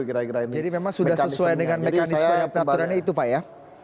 jadi memang sudah sesuai dengan mekanisme yang teraturannya itu pak ya